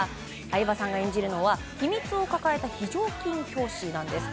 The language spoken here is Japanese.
相葉さんが演じるのは秘密を抱えた非常勤講師なんです。